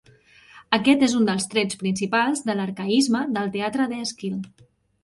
Aquest és un dels trets principals de l'arcaisme del teatre d'Èsquil.